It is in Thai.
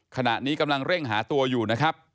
ขณะนี้กำลังเร่งหาตัวอยู่นะครับ